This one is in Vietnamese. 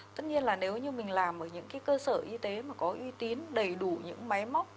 tất nhiên là nếu như mình làm ở những cái cơ sở y tế mà có uy tín đầy đủ những máy móc